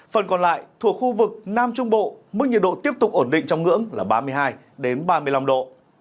phần còn lại thuộc khu vực nam trung bộ mức nhiệt độ tiếp tục ổn định trong ngưỡng là ba mươi hai ba mươi năm độ